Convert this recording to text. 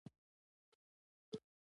خلک د ځمکو پر سر په شخړه کې سره وژل کېږي.